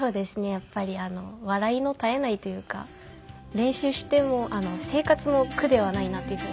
やっぱり笑いの絶えないというか練習しても生活も苦ではないなっていうふうに思っています。